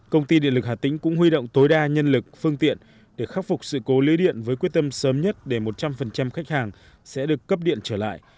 công ty điện lực hà tĩnh cũng huy động tối đa nhân lực phương tiện để khắc phục sự cố lưới điện với quyết tâm sớm nhất để một trăm linh khách hàng sẽ được cấp điện trở lại